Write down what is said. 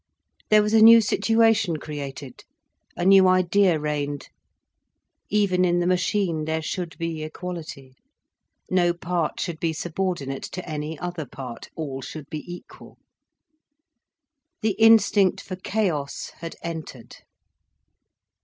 There was a new situation created, a new idea reigned. Even in the machine, there should be equality. No part should be subordinate to any other part: all should be equal. The instinct for chaos had entered.